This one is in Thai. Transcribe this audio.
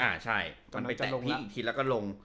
อ่าใช่มันไปแตะที่อีกทีแล้วก็ลง